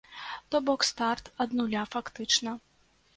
То бок старт ад нуля фактычна.